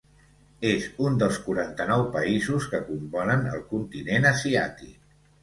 És un dels quaranta-nou països que componen el continent asiàtic.